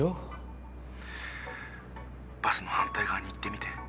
バスの反対側に行ってみて。